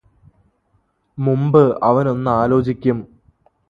മുമ്പ് അവനൊന്ന് ആലോചിക്കും